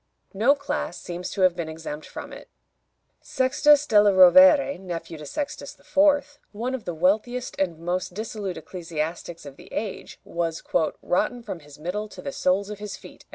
No class seems to have been exempt from it. Sextus della Rovere, nephew of Sextus IV., one of the wealthiest and most dissolute ecclesiastics of the age, was "rotten from his middle to the soles of his feet."